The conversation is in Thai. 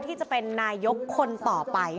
ที่จะเป็นนายกคนต่อไป